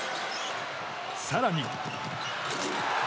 更に。